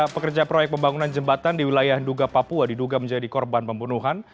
pekerja proyek pembangunan jembatan di wilayah duga papua diduga menjadi korban pembunuhan